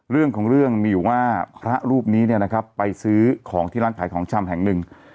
เรื่องของเรื่องมีอยู่ว่าพระรูปนี้เนี่ยนะครับไปซื้อของที่ร้านขายของชำแห่งหนึ่ง